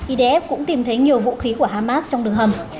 idf cũng tìm thấy nhiều vũ khí của hamas trong đường hầm